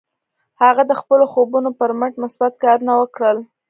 هغه د خپلو خوبونو پر مټ مثبت کارونه وکړل.